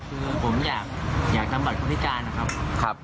คือผมอยากทำบัตรคนพิการนะครับ